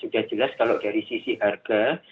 sudah jelas kalau dari sisi harga